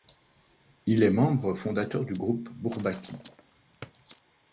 Il est membre fondateur du groupe Bourbaki.